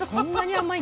甘い。